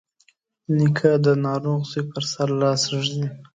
نیکه د ناروغ زوی پر سر لاس ږدي.